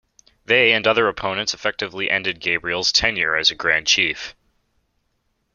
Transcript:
They and other opponents effectively ended Gabriel's tenure as grand chief.